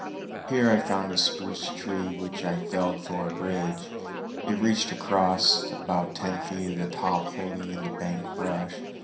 Here I found a spruce tree which I felled for a bridge; it reached across, about ten feet of the top holding in the bank brush.